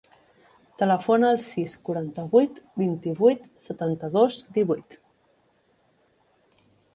Telefona al sis, quaranta-vuit, vint-i-vuit, setanta-dos, divuit.